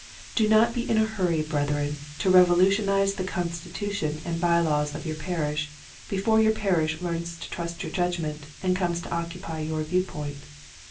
Do not be in a hurry, brethren, to revo lutionize the constitution and by laws of your parish before your parish learns to trust your judgment and comes to occupy your view point.